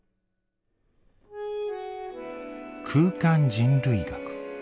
「空間人類学」。